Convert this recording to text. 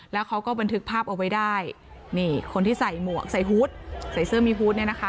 แล้วเขาก็บันทึกภาพเอาไว้ได้นี่คนที่ใส่หมวกใส่ฮูตใส่เสื้อมีฮูตเนี่ยนะคะ